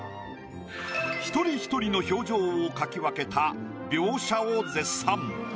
一人一人の表情を描き分けた描写を絶賛。